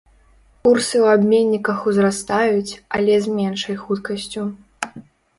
Курсы ў абменніках узрастаюць, але з меншай хуткасцю.